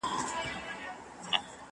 که کار ونه کړو ادبیات شاته پاته کیږي.